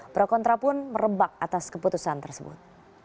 prokontra pun merebak atas keputusan tersebut